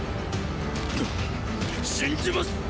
信じます！